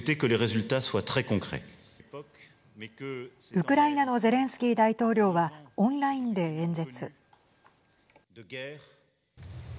ウクライナのゼレンスキー大統領はオンラインで演説。